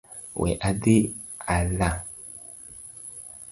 We adhi ala